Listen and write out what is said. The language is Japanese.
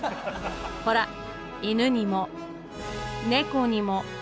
ほら犬にも猫にも。